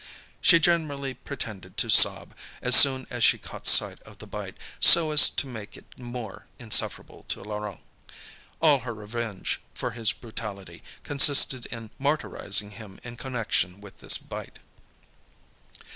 She generally pretended to sob, as soon as she caught sight of the bite, so as to make it more insufferable to Laurent. All her revenge for his brutality, consisted in martyrising him in connection with this bite.